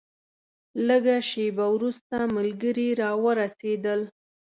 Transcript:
لږه شېبه وروسته ملګري راورسېدل.